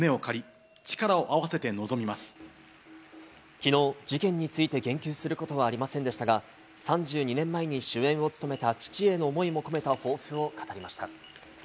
きのう、事件について言及することはありませんでしたが、３２年前に主演を務めた父への思いも込めた抱負を語りました。